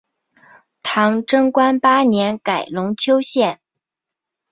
唐贞观八年改龙丘县。